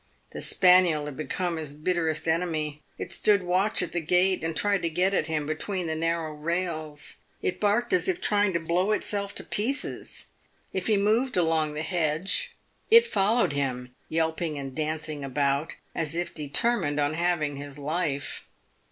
The spaniel had become his bitterest enemy. It stood watch at the gate and tried to get at him between the narrow rails. It barked as if trying to blow itself to pieces. If he moved along the hedge, it followed him, yelping and dancing about, as if determined on having his life.